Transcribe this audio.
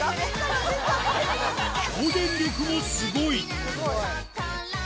表現力もすごい。